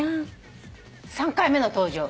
３回目の登場。